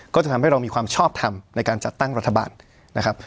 ก็จะทำให้เรามีความชอบทำในการจัดตั้งรัฐบาลนะครับ